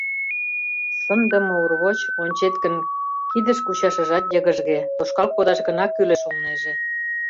Сындыме урвоч, ончет гын, кидыш кучашыжат йыгыжге, тошкал кодаш гына кӱлеш улнеже.